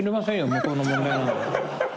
向こうの問題なんだから。